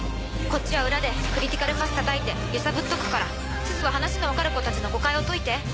こっちは裏でクリティカルパスたたいて揺さぶっとくからすずは話の分かる子たちの誤解を解いて。